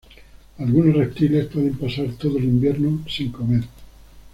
Algunos reptiles pueden pasar todo el invierno sin comer.